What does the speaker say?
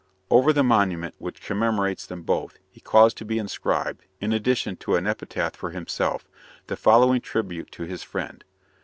Over the monument which commemorates them both, he caused to be inscribed, in addition to an epitaph for himself, the following tribute to his friend.